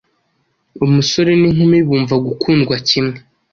umusore n’inkumi bumva gukundwa kimwe